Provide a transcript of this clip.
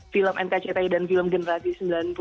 film nkcthi dan film generasi sembilan puluh an melangkut